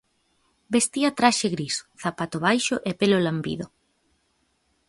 Vestía traxe gris, zapato baixo e pelo lambido.